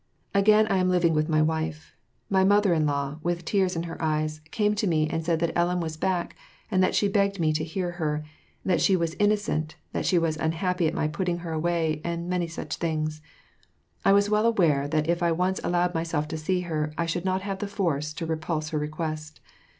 Again I am living with my wife. My mother in law, with tears in her eyes, came to me and said that Ellen was back, and that she begged me to hear her, that she was innocent, that she was unhappy at my putting her away, and many such things. I was well aware that if I once allowed myself to see her, I should not have the force to refuse her request.